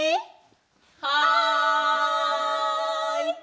はい！